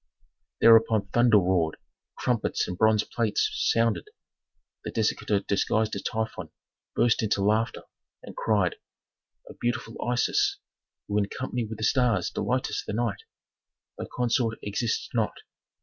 Thereupon thunder roared, trumpets and bronze plates sounded; the dissector disguised as Typhon burst into laughter, and cried, "O beautiful Isis, who in company with the stars delightest the night, thy consort exists not.